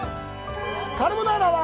カルボナーラとか。